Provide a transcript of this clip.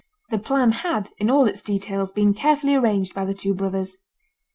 The plan had, in all its details, been carefully arranged by the two brothers.